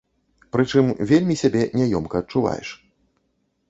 Прычым, вельмі сябе няёмка адчуваеш.